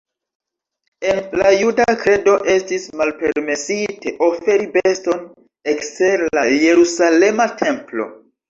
En la juda kredo estis malpermesite oferi beston ekster la Jerusalema templo.